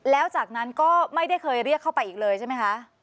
แล้วจากนั้นก็ไม่ได้เคยเรียกเข้าไปอีกเลยใช่ไหมคะ